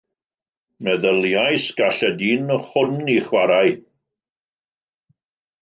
Meddyliais, gall y dyn hwn ei chwarae.